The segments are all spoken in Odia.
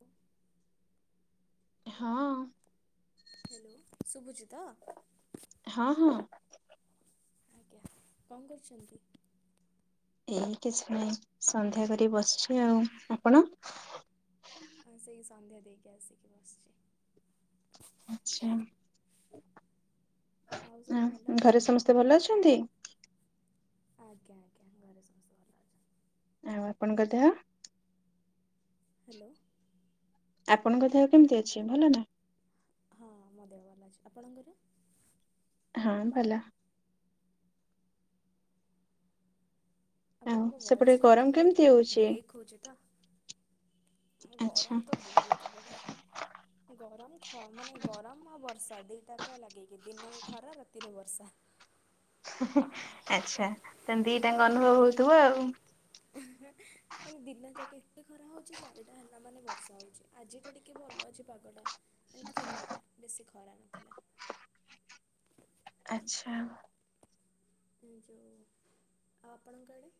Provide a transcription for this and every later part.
ହଁ ହଁ। ହେଲୋ ଶୁଭୁଚି ତ। ହଁ ହଁ। ଆଜ୍ଞା କଣ କରୁଛନ୍ତି? ଏଇ କିଛି ନାହିଁ ସନ୍ଧ୍ୟା କରି ବସିଛି ଆଉ। ଆପଣ? ହଁ ସେଇ ସନ୍ଧ୍ୟା ଦେଇକି ଆସିକି ବସିଛି। ଆଚ୍ଛା। ଆଉ ସବୁ ଭଲ? ତେ ଭଲ ଅଛନ୍ତି? ଆଜ୍ଞା ଆଜ୍ଞା ଘରେ ସମସ୍ତେ ଭଲ ଅ ଆଉ ଆପଣଙ୍କ ଦେହ? ହ୍ୟାଲୋ। ଆପଣଙ୍କ ଦେହ କେମିତି ଅଛି ଭଲ ନା। ହଁ ମୋ ଦେହ ଭଲ ଅଛି। ଆପଣଙ୍କର? ହଁ ଭଲ। ଆଉ ଆପଣଙ୍କ ଭଏସ ସେପଟେ ଟା ଗରମ ଟିକେ କେମିତି ହଉଛି? ବ୍ରେକ୍ ହଉଚି ତ। ଆଚ୍ଛା। ଗରମ ତ ବହୁତ ଏପଟେ। ଗରମ ଖ ମାନେ ଗରମ ଆଉ ବର୍ଷା ଦିଟାକ ଲାଗିକି ଦିନ ଲେ ଖରା ରାତିରେ ବର୍ଷା। ହେଁ ହେଁ ଆଚ୍ଛା ତାନେ ଦିଟାଙ୍କ ଅନୁଭବ ହଉଥୁବ ଆଉ। ମାନେ ଦିନ ଯାକେ ଏତେ ଖରା ହଉଛି ଚାରିଟା ହେଲା ମାନେ ବର୍ଷା ହଉଛି। ଆଜିଟା ଟିକେ ଭଲ ଅଛି ପାଗଟା ମାନେ ଥିଲା ବେଶୀ ଖରା ନଥିଲା। ଆଚ୍ଛା। ଏ ଯୋଉ ଆପଣଙ୍କ ଆଡ଼େ?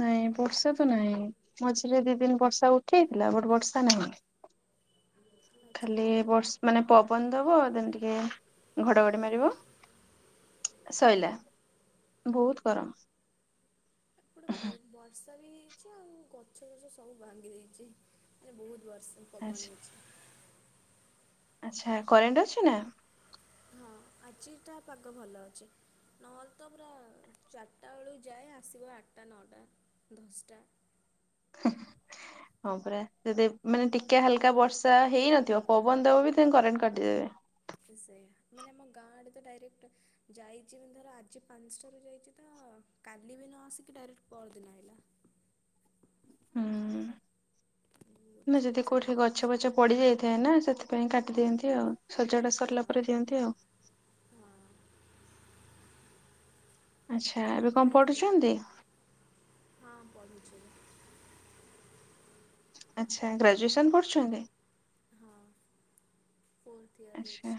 ନାଇଁ ବର୍ଷା ତ ନାହିଁ ମଝିରେ ଦି ଦିନି ବର୍ଷା ଉଠେଇଥିଲା ବଟ ବର୍ଷା ନାହିଁ। [inaudible] ଖାଲି ବର୍ଷ ମାନେ ପବନ ଦବ ଦେନ ଟିକେ ଘଡଘଡି ମାରିବ। ସଇଲା ବହୁତ ଗରମ। ଏପଟେ ବହୁତ ବର୍ଷା ବି ହେଇଛି ଆଉ ଗଛ ଫଛ ସବୁ ଭାଙ୍ଗି ଯାଇଛି ମାନେ ବହୁତ ବର୍ଷ ଆଚ୍ଛା। ପବନ ହେଇଛି। ଆଚ୍ଛା କରେଣ୍ଟ ଅଛି ନା? ହଁ ଆଜିଟା ପାଗ ଭଲ ଅଛି। ନହେଲେ ତ ପୁରା ଚାରିଟା ବେଳକୁ ଯାଏ ଆସିବ ଆଠଟା, ନଅଟା, ଦଶଟା। [unintelligible] ହଁ ପରା ଯେବେ ମାନେ ଟିକେ ହାଲକା ବର୍ଷା ହେଇନଥିବ ପବନ ଦବ ବି ସେ କରେଣ୍ଟ କାଟିଦେବେ। ସେ ସେଇଆ ମାନେ ଆମ ଗାଁ ଆଡେ ତ ଡାଇରେକ୍ଟ ଯାଇଛି ଧର ଆଜି ପାଞ୍ଚଟାରୁ ଯାଇଛି ତ କାଲିବି ନଆସିକି ଡାଇରେକ୍ଟ ପରଦିନ ଆଇଲା। ହୁଁ ବହୁତ ନୁହେଁ ସାଡ଼େ ଯଦି ସାଡ଼େ କୋଉଠି ହେଇଛି ଗଛ ପଛ ପଡ଼ିଯାଇଥାଏନା, ସେଥିପାଇଁ କାଟିଦିଅନ୍ତି ଆଉ, ସଜଡ଼ା ହଁ ସରିଲା ପରେ ଦିଅନ୍ତି ଆଉ। ହଁ। ଆଚ୍ଛା ଆଉ ଏବେ କଣ ଖାଇଥିଲେ ପଢୁଛନ୍ତି? ହଁ ପଢୁଛି ଏବେ। ଆଚ୍ଛା ଗ୍ରାଜୁଏସନ ପଢୁଛନ୍ତି? ହଁ ଫୋର୍ଥ ଇୟର ଆଚ୍ଛା ଅଛି।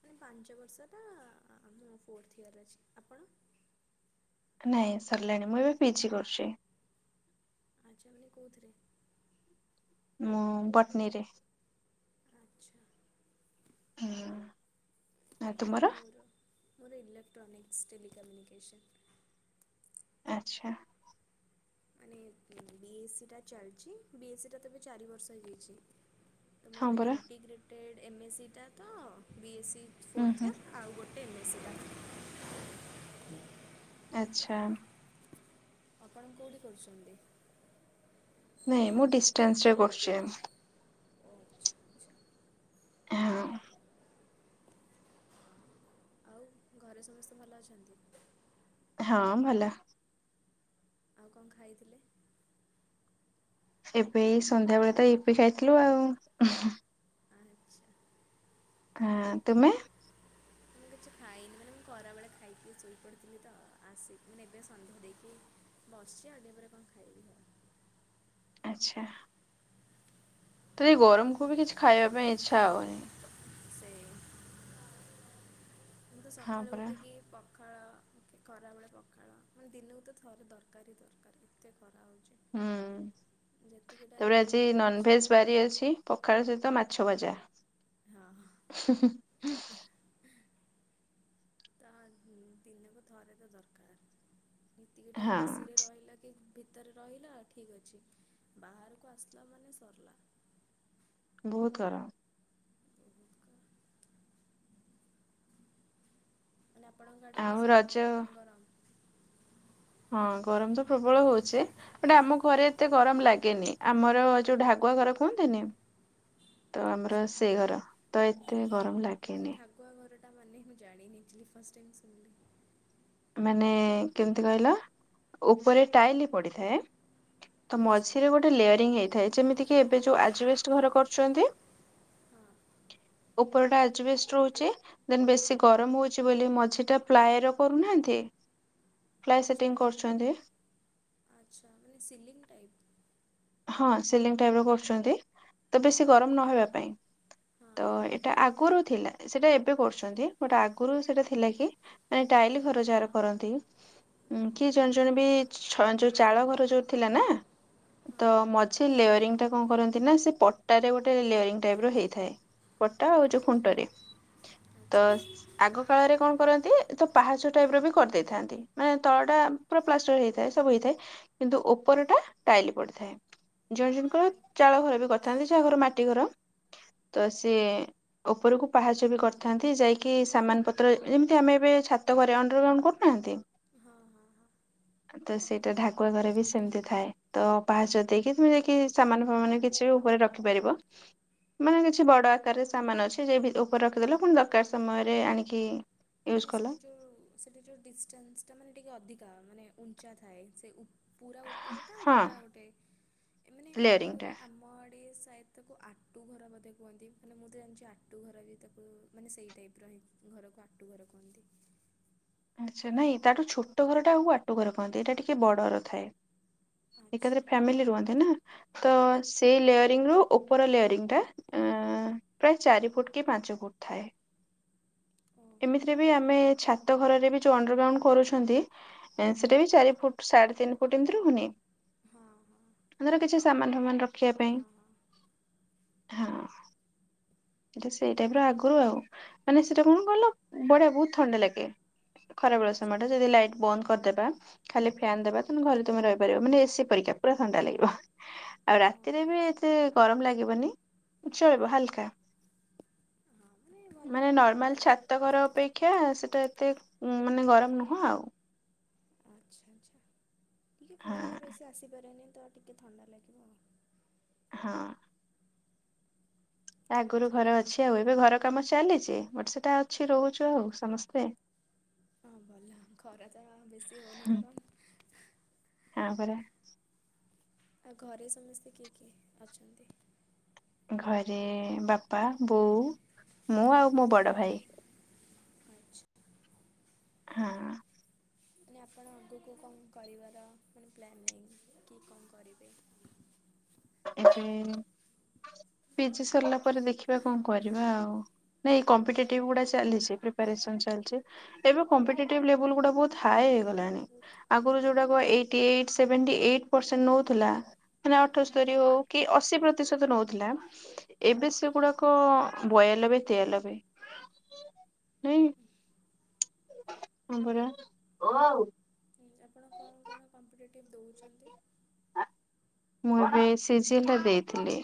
ମାନେ ପାଞ୍ଚ ବର୍ଷଟା ଆ ଆ ଫୋର୍ଥ ଇୟର ଅଛି। ଆପଣ? ନାଇଁ ସରିଲାଣି ମୁଁ ଏବେ ପିଜି କରୁଛି। ଆଯା ମାନେ କୋଉଥେରେ? ମୁଁ ପଟ୍ନୀ ରେ। ଆଚ୍ଛା। ହୁଁ। ଆଉ ତୁମର? ମୋର ମୋର ଏଇଲେକ୍ଟ୍ରାନିକସ୍ ଟେଲିିକମ୍ୟୁନିକେସନ୍। ଆଚ୍ଛା। ମାନେ ବି ଏ ସି ଟା ଚାଲିଛି ବି ଏ ସି ଟା ତବେ ଚାରି ବର୍ଷ ହେଇଯାଇଛି। ତ ହଁ ମୋର ପରା ଇଣ୍ଟିଗ୍ରେଟେଡ଼୍ ଏ ମେ ସି ଟା ତ ବି ଏ ସ ଉୁଁ ଫୋର୍ଥ ହୁଁ ଇୟର୍। ଆଉ ଗୋଟେ [unintelligible] ଆଛା। ଆପଣ କୋଉଠି କରୁଛନ୍ତି,? ନାଇଁ ମୁଁ ଡିଷ୍ଟାନ୍ସ ରେ କରୁଛି। ଆଚ୍ଛା ଆଚ୍ଛା। ହଁ। ଆଉ ଘରେ ସମସ୍ତେ ଭଲ ଅଛନ୍ତି? ହଁ ଭଲ। ଆଉ କଣ ଖାଇଥିଲେ? ଏବେ ଏଇ ସନ୍ଧ୍ୟା ବେଳେ ତ ଇପି ଖାଇଥିଲୁ ଆଉ। ଆଚ୍ଛା। ହଁ ତୁମେ। ମୁଁ କିଛି ଖାଇନି ମାନେ ମୁଁ ଖରାବେଳେ ଖାଇକି ଶୋଇପଡ଼ିଥିଲି ତ ଆସି ମାନେ ଏବେ ସନ୍ଧ୍ୟା ଦେଇକି ବସିଛି ଆଉ ଟିକେ ପରେ କଣ ଖାଇବି ଆଉ। ଆଚ୍ଛା। ତୁ ବି ଗରମ କୁ ବି କିଛି ଖାଇବା ପାଇଁ ଇଚ୍ଛା ହଉନି। ସେୟା ମୁଁ ତ ହଁ ସକାଳୁ ପରା ଉଠିକି ପଖାଳ ଖରାବେଳେ ପଖାଳ ମାନେ ଦିନକୁ ତ ଥରେ ଦରକାର ହିଁ ଦରକାର ଏତେ ଖରା ହଉଛି। ହୁଁ ତାପରେ ଆଜି ରୁମ୍ରେ ଅଛି ନନଭେଜ। ବାରି ଅଛି ପଖାଳ ସହିତ ମାଛ ଭଜା। ହଁ ହଁ। ତ ଦିନକୁ ଥରେ ତ ଦରକାର। ଏତିକି ଟାଇମ ଏ ହଁ ସି ରେ ରହିଲା କି ଭିତରେ ରହିଲ ଠିକ୍ ଅଛି ବାହାରକୁ ଆସିଲା ମାନେ ସରିଲା। ବହୁତ ଗରମ। ବହୁତ ଗରମ। ମାନେ ଆପଣଙ୍କ ଆଡେ ବି ଆଉ ସେ ରଜ ଭ ମାନେ ଗରମ। ହଁ ଗରମ ତ ପ୍ରବଳ ହଉଚି [unintelligible] ଆମ ଘରେ ଏତେ ଗରମ ଲାଗେନି ଆମର ଯୋଉ ଢାଗୁଆ ଘର କୁହନ୍ତିନି। ତ ଆମର ଆଚ୍ଛା ସେ ଘର ତ ଏତେ ଗରମ ଲାଗେନି। ଗୁଆ ଘର ଟା ମାନେ ମୁଁ ଜାଣିନିଥିଲି ଫାଷ୍ଟ ଟାଇ ଶୁଣିଲି। ମାନେ କେମିତି କହିଲ ଉପରେ ଟାଇଲ ପଡିଥାଏ। ତ ଆଚ୍ଛା ମଝିରେ ଗୋଟେ ଲେୟରିଂ ହେଇଥାଏ ଯେମିତି କି ଏବେ ଯୋଉ ଆଜବେଷ୍ଟ ଘର କରୁଛନ୍ତି। ହଁ। ଉପରଟା ଆଜବେଷ୍ଟ ରହୁଛି। ଦେନ୍ ବେଶୀ ଗରମ ହଉଛି ବୋଲି ମଝି ଟା ପ୍ଲାଏର କରୁନାହାନ୍ତି। ପ୍ଲାଏ ଆଚ୍ଛା ସେଟିଂ ମାନେ କରୁଛନ୍ତି ଆଚ୍ଛା ମାନେ ସିଲିଂ ଟାଇପ୍ ହଁ ସିଲିଂ ଟାଇପର କରୁଛନ୍ତି। ତ ବେଶୀ ହଁ ଗରମ ନହବା ପାଇଁ ହଁ ତ ହଁ ଏଇଟା ଆଗରୁ ଥିଲା। ସେଟା ଏବେ କରୁଛନ୍ତି ବଟ ଆଗରୁ ସେଟା ଥିଲା କି ମାନେ ଟାଇଲ ଘର ଯାହାର କରନ୍ତି। କି ଜଣେ ଜଣେ ବି ଛ ଯୋଉ ଚାଳ ଘର ଯୋଉ ଥିଲା ନା। ହଁ ହଁ ତ ମଝି ଲେୟରିଂ ଟା କଣ କରନ୍ତି ନା ସେ ପଟାରେ ଗୋଟେ ଲେୟରିଂ ଟାଇପର ହେଇଥାଏ। ପଟା ଆଉ ଯୋଉ ଆଚ୍ଛା ଖୁଣ୍ଟରେ ତ ଆଚ୍ଛା ଆଗ କାଳରେ କଣ କରନ୍ତି। ତ ପାହାଚ ଟାଇପ୍ ର ବି କରିଦେଇଥାନ୍ତି ମାନେ ତଳଟା ପୁରା ପ୍ଲାଷ୍ଟର ହେଇଥାଏ ସବୁ ହେଇଥାଏ। କିନ୍ତୁ ଉପର ଟା ଟାଇଲି ପଡେ। ଥାଏ ଜଣେ ଜଣଙ୍କର ଓ ଚାଳ ଘର ବି କରିଥାନ୍ତି ଯାହା ଘର ମାଟି ଘର। ତ ସିଏ ଓହୋ ଉପରକୁ ପାହାଚ ବି କରିଥାନ୍ତି ଯାଇକି ସାମାନ ପତ୍ର ଯେମିତି ଆମେ ଏବେ ଛାତ ଘରେ ଅଣ୍ଡରଗ୍ରାଉଣ୍ଡ କରୁନାହାନ୍ତି। ହଁ ହଁ ହଁ। ତ ସେଇଟା ଢାକୁଆ ଘରେ ବି ସେମିତି ଥାଏ। ତ ପାହାଚ ଦେଇକି ତମେ ଯାଇକି ସାମାନ ଫାମାନ କିଛି ଉପରେ ରଖିପାରିବ। ମାନେ କିଛି ବଡ ଆକାରରେ ସାମାନ ଅଛି ଯାଇ ଉପରେ ରଖିଦେଲ ପୁଣି ଦରକାର ସମୟରେ ଆଣିକି ୟୁଜ ମାନେ ସେଠି କଲ ଯୋଉ ସେଠି ଯୋଉ ଡିଷ୍ଟାନ୍ସଟା ମାନେ ଟିକେ ଅଧିକା ମାନେ ଉଞ୍ଚା ଥାଏ ସେ ଉ ପୁରା ଉପରଟା ଆଉ ହଁ ଯୋଉଟା ଗୋଟେ ଏମାନେ ଆମ ଲେୟରିଂ ଟା ଘରେ ଆମ ଆଡେ [unintelligible] ସାଏଦ ତାକୁ ଆଟୁ ଘର ବୋଧେ କୁହନ୍ତି ମାନେ ମୁଁ ତ ଜାଣିଛି ଆଟୁ ଘର ବି ତାକୁ ମାନେ ସେଇ ଟାଇପ୍ ହି ଘରକୁ ଆଟୁ ଘର କହନ୍ତି। ଆଚ୍ଛା ନାଇଁ ତାଠୁ ଛୋଟ ଘର ଟା ଆଉ ଆଟୁ ଘର କହନ୍ତି ଏଇଟା ଟିକେ ବଡ ର ଥାଏ। ଆଚ୍ଛା ଏକାଥରେ ଫ୍ୟାମିଲି ରୁହନ୍ତି ନା। ତ ସେଇ ଲେୟରିଂ ରୁ ଉପର ଲେୟରିଂ ଟା ଏଁ ପ୍ରାୟ ଚାରି ଫୁଟ କି ପାଞ୍ଚ ଫୁଟ ଥାଏ। ଓହୋ ହଁ ଏମିତିରେ ବି ଆମେ ଛାତ ଘରରେ ବି ଯଉ ଅଣ୍ଡରଗ୍ରାଉଣ୍ଡ କରୁଛନ୍ତି। ହଁ ସେଟା ବି ଚାରି ଫୁଟ ସାଢେ ତିନି ଫୁଟ ଏମିତି ରହୁନି? ହଁ ତାର କିଛି ସମାନ ସମାନ ରଖିବା ହଁ ହଁ ପାଇଁ। ହଁ ସେଟା ସେଇ ଟାଇପ ର ଉଁ, ଆଗରୁ ଆଉ ମାନେ ସେଇଟା କଣ କହିଲ ବଢିଆ ବହୁତ ଥଣ୍ଡା ଲାଗେ। ଖରାବେଳ ଆଚ୍ଛା ସମୟ ଟା ଯଦି ଲାଇଟ୍ ବନ୍ଦ କରିଦେବା ଖାଲି ଫ୍ୟନ୍ ଦେବା ତୁ ଘରେ ତମେ ରହିପାରିବ ମାନେ ଏ ସି ପରିକା ପୁରା ଥଣ୍ଡା ଲାଗିବ। ଆଉ ଓହୋ ରାତିରେ ହଁ ବି ଏତେ ଗରମ ଲାଗିବନି ଚଳିବ ହାଲକା। ମାନେ ଭଲ ମାନେ ଆଉ ନର୍ମାଲ ଗରମ ଛାତଘର ଅପେକ୍ଷା ସେଟା ଏତେ ମାନେ ଗରମ ନୁହଁ ଆଉ। ଆଚ୍ଛା ଆଚ୍ଛା ଟିକିଏ ଖରାଟା ହଁ ବେଶୀ ଆସିପାରେନି ତ ଟିକେ ଥଣ୍ଡା ଲାଗିବ ଆଉ। ହଁ। ଆଗରୁ ଆଚ୍ଛା ଆଉ ଘରେ ଅଛି ଆଉ ଏବେ ଘର କାମ ଚାଲିଛି ବଟ ସେଟା ଅଛି ରହୁଛୁ ଆଉ ସମସ୍ତେ। ହଁ ଭଲ ଖରା ତ ବେଶୀ ହଉନି ହୁଁ ଗରମ ହଁ ପରା। ଆଉ ଘରେ ସମସ୍ତେ କିଏ କିଏ ଅଛନ୍ତି? ଘରେ ବାପା ବୋଉ ମୁଁ ଆଉ ମୋ ବଡ ଭାଇ। [inaudible] ଆଚ୍ଛା। ହଁ। ମାନେ ଆପଣ ଆଗକୁ କଣ କରିବାର ମାନେ ପ୍ଲାନ୍ ନାହିଁ କି କଣ କରିବେ? ଏବେ ପିଜି ସରିଲା ପରେ ଦେଖିବା କଣ କରିବା ଆଉ। ନାଇଁ କମ୍ପିେଟେଟିଭ ଗୁଡା ଚାଲିଛି ପ୍ରିପାରେସନ ଚାଲିଛି। ଏବେ କମ୍ପଟେଟିଭ ଲେବୁଲ୍ ଗୁଡା ବହୁତ ହାଇ ହେଇଗଲାଣି ବହୁତ ହଁ ଆଗରୁ ହେଇଗଲା ଯୋଉଟାକ ଏ eighty eight seventy eight percent ନଉଥିଲା ମାନେ ଆଉଟ୍ ତୋରି ହଉକି ଅଶୀ ପ୍ରତିଶତ ନଉଥିଲା। ଏବେ ହୁଁ ସେଗୁଡାକ ବୟାଲବେ ତେୟାଲବେ। ହେଇ ହଁ ପରା [unintelligible] ଉଁ ଆପଣ କଣ କଣ କମ୍ପିଟେଟିଭ୍ ଦଉଛନ୍ତି? ମୁଁ ଏବେ ସିଜିଏଲ ଟା ଦେଇଥିଲି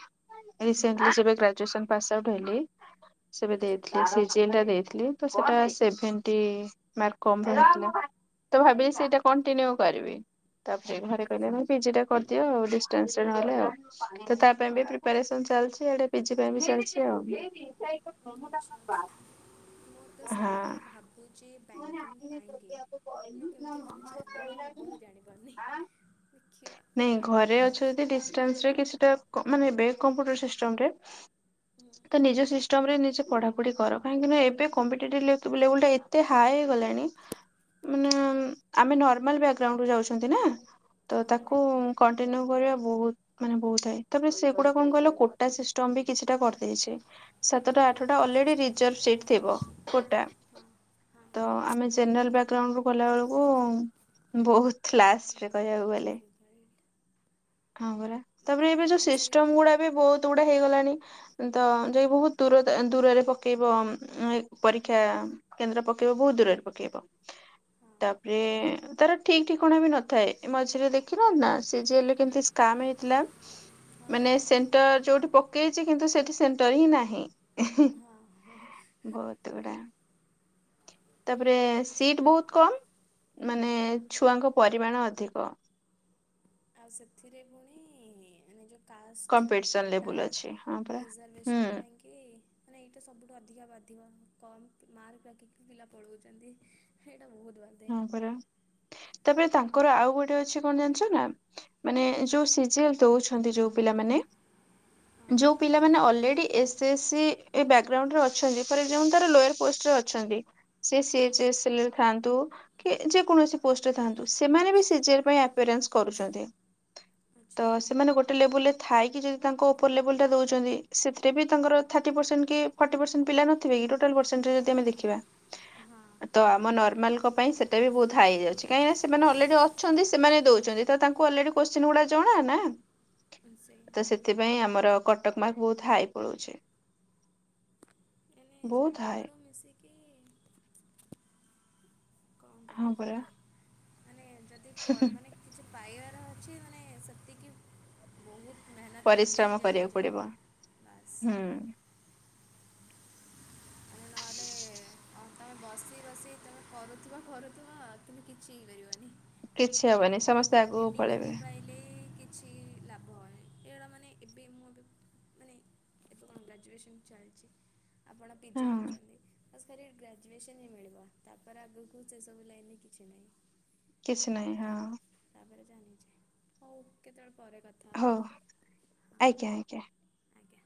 ରିସେଣ୍ଟଲି ଯେବେ ଗ୍ରାଜୁଏସନ୍ ପାସ୍ ଆଉଟ୍ ହେଲି ସେବେ ଆଚ୍ଛା ଦେଇଥିଲି ସିଜି ଏଲ ଦେଇଥିଲି ତ ସେଟା ସେଭେଣ୍ଟି ମାର୍କ କମ୍ ଥିଲା ତ ଭାବିଛି ସେଇଟା କଣ୍ଟିନ୍ୟୁ କରିବି। ତାପରେ ଆଚ୍ଛା ଘରେ କହିଲେ ହୁଁ, ପିଜିଟା କରିଦିଅ ଆଉ ଡି ଟେନ୍ସନ ଗଲା ଆଉ ତ ତା ପାଇଁ [unintelligible] ଚାଲି ଇଆଡ଼େ ପିଜି ପାଇଁ ଚାଲି ଆଉ। ଆଚ୍ଛା [unintelligible] ଆଚ୍ଛା ମୁଁ ତ ସାଇଟି ହଁ। ରେ ଭାବୁଛି ବ୍ୟାଙ୍କିଙ୍ଗ୍ ପାଇଁକି ମାନେ କେମିତି କଣ ଚାଲିବ ହବ ମୁଁ ଜାଣିପାରୁନି ଦେଖିବା। ଡିଷ୍ଟାନ୍ସରେ କିଛିଟା ମାନେ ଏବେ କମ୍ପୁଟର ସିଷ୍ଟମ୍ ରେ ହୁଁ। ତ ନିଜ ସିଷ୍ଟମ ରେ ନିଜେ ପଢାପଢି କର କାହିଁକି ନା ଏବେ କମ୍ପିଟେଟିଭ ଲେ ଲେବୁଲ୍ ଟା ଏତେ ହାଇ ହେଇଗଲାଣି ମାନେ ଆମେ ନର୍ମାଲ ବ୍ୟାକଗ୍ରାଉଣ୍ଡରୁ ଯାଉଛନ୍ତି ନା ତ ହଁ ତାକୁ କଣ୍ଟିନ୍ୟୁ କରିବା ବହୁତ ମାନେ ବହୁତ ହାଇ ତାପରେ ସେଗୁଡା କଣ କହିଲ କୋଟା ସିଷ୍ଟମ ବି କିଛିଟା କରିଦେଇଛି ସାତଟା ଆଠଟା କୋଟା ଅଲରେଡି ସିଷ୍ଟମ୍ ରିଜର୍ଭ ତ ସିଟ ଥିବ କୋଟା ହଁ ତ ହଁ ଆମେ ଜେନେରାଲ ବ୍ୟାକଗ୍ରାଉଣ୍ଡ ରୁ ଗଲା ବେଳୁକୁ ବୋହୁତ୍ ଲାଷ୍ଟ। ବୋହୁତ୍ ଡିଫିକଲ୍ଟ। ହଁ ପରା, ମାନେ ତାପରେ ଏବେ ଯୋଉ କମ୍ ସିଷ୍ଟମ ସେଇଟା ଗୁଡା ବି ବହୁତ୍ ଗୁଡା ହେଇଗଲାଣି। ତ ଯାଇି ବହୁତ୍ ଦୂରତା ଦୂରରେ ପକେଇବ ଉଁ ପରୀକ୍ଷା କେନ୍ଦ୍ର ପକେଇବ ହଁ ବହୁତ୍ ଦୂରରେ ପକେଇବ। ହଁ ତାପରେ ତାର ଠିକ୍ ଠିକଣା ବି ନଥାଏ, ଏ ମଝିରେ ଦେଖିନାହାନ୍ତି ନା ସିଏ ଜେଲ କେମିତି ସ୍କାମ ହେଇଥିଲା। ହଁ ମାନେ ସେଣ୍ଟର ଯୋଉଠି ପକେଇଚି କିନ୍ତୁ ସେଠି ସେଣ୍ଟର ହିଁ ନାହିଁ। [unintelligible] ହଁ ହଁ ବହୁତ୍ ଗୁଡା ତାପରେ ସିଟ୍ ବହୁତ୍ କମ୍ ମାନେ ହଁ ଛୁଆଙ୍କ ପରିମାଣ ଅଧିକ। ଆଉ ସେଥିରେ ପୁଣି ମାନେ ଯୋଉ କାଷ୍ଟ, କମ୍ପିଟିସନ କୋଟା, ଲେବୁଲ ଅଛି ହଁ ପରା। ହୁଁ ଡିଜର୍ଭେସନ୍ ପାଇଁକି କି ମାନେ ଏଇଟା ସବୁଠୁ ଅଧିକା ବାଧିବ କମ୍ ମାର୍କ ରଖିକି ବି ପିଲା ପଳଉଚନ୍ତି। ହେଇଟା ବହୁତ୍ ବା ହଁ ପରା, ତାପରେ ତାଙ୍କର ଆଉ ଗୋଟେ ଅଛି କଣ ଜାଣିଚ ନା? ମାନେ ଯୋଉ ସିଜିଏଲ ଦଉଛନ୍ତି ଯୋଉ ପିଲାମାନେ ହଁ। ଯୋଉ ପିଲାମାନେ ଅଲରେଡ଼ି ଏସେସି ଏ ବ୍ୟାକ୍ ଗ୍ରାଉଣ୍ଡରେ ଅଛନ୍ତି। ଫର୍ ଏକ୍ସସାମ୍ପୁଲ୍ ତାର ଲୋୟର୍ ପୋଷ୍ଟରେ ଅଛନ୍ତି। ସେ ହଁ ସିଏଚେଏସେଲରେ ଥାଆନ୍ତୁ। କି ଯେକୌଣସି ପୋଷ୍ଟରେ ଥାଆନ୍ତୁ ସେମାନେ ବି ସିଜିଏଲ୍ ପାଇଁ ଆପେରେନ୍ସ କରୁଚନ୍ତି। ଆଚ୍ଛା। ତ ସେମାନେ ଗୋଟେ ଲେବୁଲରେ ଥାଇକି ଯଦି ତାଙ୍କ ଓପର ଲେବୁଲ ଟା ଦେଉଚନ୍ତି ସେଥିରେ ବି ତାଙ୍କର ଥାର୍ଟି ପରସେଣ୍ଟ କି ଫର୍ଟି ପରସେଣ୍ଟ ପିଲା ନଥିବେ କି ଟୋଟାଲ ପରସେଣ୍ଟରେ ଯଦି ଆମେ ଦେଖିବା। [inaudible] ତ ଆମ ନର୍ମାଲ କ ପାଇଁ ସେଟା ବି ବହୁତ୍ ହାଇ ହେଇଯାଉଚି। କାହିଁକିନା ସେମାନେ ଅଲରେଡି ଅଛନ୍ତି ସେମାନେ ଦଉଛନ୍ତି ତ ତାଙ୍କୁ ଅଲରେଡ଼ି କୋଷ୍ଚିନ୍ ଗୁଡା ଜଣା ନା। ହଁ ସେଇଆ। ତ ସେଥିପାଇଁ ଆମର କଟକ ମାର୍କ ବୋହୁତ ହାଇ ପଳଉଚି। ବହୁତ ହାଇ। ସବୁଆଡୁ ମିଶିକି କଣ ହଁ କରାଯିବ। ପରା ମାନେ ଯଦି କଣ ମାନେ କିଛି ପାଇଆର ଅଛି ମାନେ ସେତିକି ବୋହୁତ୍ ମେହେନତ୍ କଲେ ପରିଶ୍ରମ ହିଁ ଯାଇକି କରିବାକୁ ଯା, ପଡିବ ବାସ୍। ହୁଁ ନହଲେ ତମେ ବସି ବସି ତମେ କରୁଥିବ କରୁଥିବ କିନ୍ତୁ କିଛି ହେଇପାରିବନି। କିଛି ହବନି ସମସ୍ତେ ଆଗକୁ ଖାଲି ପଳେଇବେ ଡିଗ୍ରୀ ପାଇଲେ କି କିଛି ଲାଭ ହଏନି, ଏଗୁଡା ମାନେ ଏବେ ମୁଁ ଏବେ ମାନେ ଏବେ କଣ ଗ୍ରାଜୁଏସନ୍ ଚାଲିଚି, ଆପଣ ପିଜି ହଁ କରୁଚନ୍ତି। ବାସ୍ ଖାଲି ଗ୍ରାଜୁଏସନ୍ ହିଁ ମିଳିବ। ତାପରେ ଆଗୁକୁ ସେ ସବୁ ଲାଇନ୍ ରେ କିଛି ନାହିଁ। କିଛି ନାହିଁ ହଁ। ତା ତାପରେ ଜାଣିଚି ହଉ କେତବଳେ ପରେ କଥା ହେବା ହଉ ଆଉ ହଁ ଆଜ୍ଞା, ଆଜ୍ଞା। ଆଜ୍ଞା